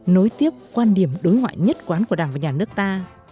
nối tiếp quan điểm đối ngoại nhất quán của đảng và nhà nước ta